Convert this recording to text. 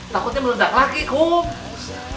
takutnya meledak lagi kum